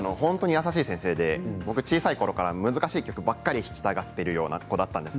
優しい先生で僕は小さいころから難しい曲ばかりを弾きたがっていたんです。